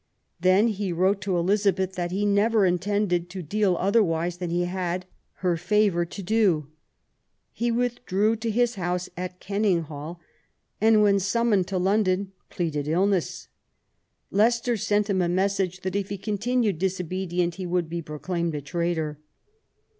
Then he wrote to Elizabeth that he never intended to deal otherwise than he had her favour to do ". He withdrew to his house at Kenninghall, and when summoned to London pleaded illness. Leicester sent him a message, that if he continued disobedient he would be proclaimed a traitor.